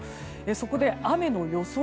そこで雨の予想